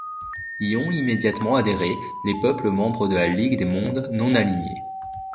Y ont immédiatement adhéré les peuples membres de la Ligue des mondes non alignés.